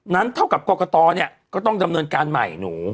นั้นเท่ากับกรกตรเนี่ยก็ต้องคำนวณการใหม่หนู